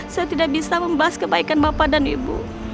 saya tidak bisa membahas kebaikan bapak dan ibu